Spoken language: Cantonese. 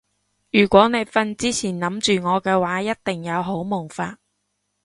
如果你瞓之前諗住我嘅話一定有好夢發